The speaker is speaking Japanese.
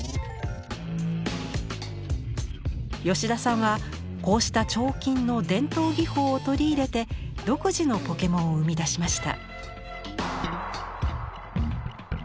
吉田さんはこうした彫金の伝統技法を取り入れて独自のポケモンを生み出しました。